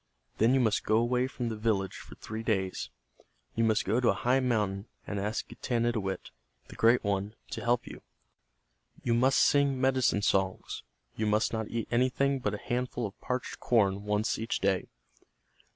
Then you must go away from the village for three days. You must go to a high mountain, and ask Getanittowit, the Great One, to help you. You must sing medicine songs. You must not eat anything but a handful of parched corn once each day.